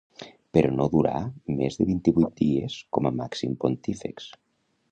Però no durà més de vint-i-vuit dies com a màxim pontífex.